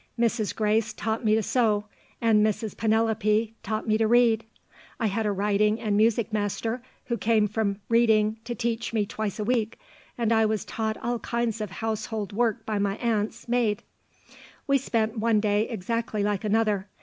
Mrs. Grace taught me to sew, and Mrs. Penelope taught me to read; I had a writing and music master, who came from Reading to teach me twice a week; and I was taught all kinds of household work by my aunts' maid. We spent one day exactly like another.